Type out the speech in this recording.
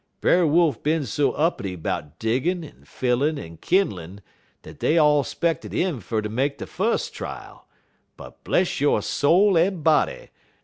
Brer Wolf bin so uppity 'bout diggin', en fillin', en kindlin', dat dey all 'spected 'im fer ter make de fus' trial; but, bless yo' soul en body!